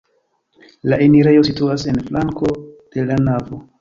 La enirejo situas en flanko de la navo.